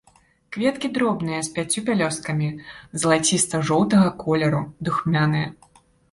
Кветкі дробныя, з пяццю пялёсткамі, залаціста-жоўтага колеру, духмяныя.